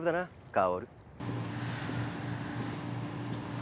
薫。